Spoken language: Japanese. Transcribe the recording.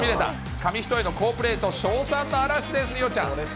紙一重の好プレーと、称賛の嵐です、梨央ちゃん。